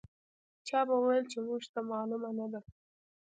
چا به ویل چې موږ ته معلومه نه ده.